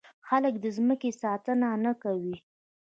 خلک د ځمکې ساتنه نه کوي.